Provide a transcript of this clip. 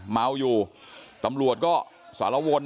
เมาอยู่ตำรวจก็สารวน